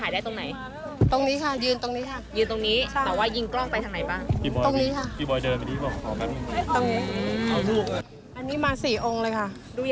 ดูยังไงคะ